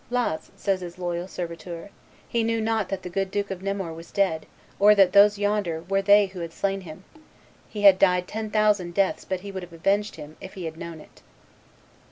"'Las!" says his Loyal Serviteur, "he knew not that the good Duke of Nemours was dead, or that those yonder were they who had slain him; he had died ten thousand deaths but he would have avenged him, if he had known it."